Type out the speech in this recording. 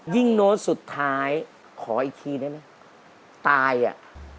ยิ่งโน้ตสุดท้ายขออีกทีได้มั้ยตายอ่ะ